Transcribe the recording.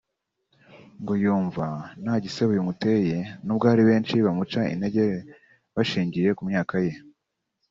ngo yumva nta gisebo bimuteye n’ubwo hari benshi bamuca integer bashingiye ku myaka ye